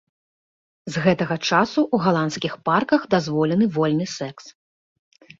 З гэтага часу ў галандскіх парках дазволены вольны секс.